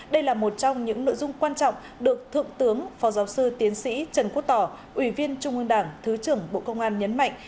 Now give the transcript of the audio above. đây là một trong những nội dung quan trọng được thượng tướng phó giáo sư tiến sĩ trần quốc tỏ ủy viên trung ương đảng thứ trưởng bộ công an nhấn mạnh